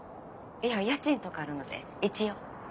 いや家賃とかあるので一応。